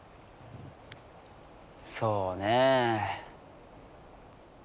そうねえ。